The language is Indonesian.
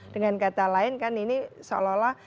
dengan kata lain kan ini seolah olah